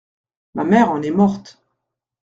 Ma mère en est morte.